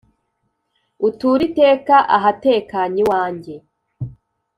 Uture iteka ahatekanye iwanjye!